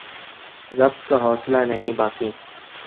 ضبط کا حوصلہ نہیں باقی